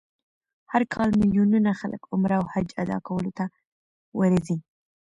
هر کال میلیونونه خلک عمره او حج ادا کولو ته ورځي.